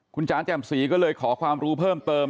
คุณจ๋าแจ่มสีก็เลยขอความรู้เพิ่มเติม